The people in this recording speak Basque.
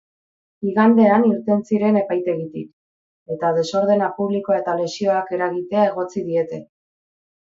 Igandean irten ziren epaitegitik, eta desordena publikoa eta lesioak eragitea egotzi diete.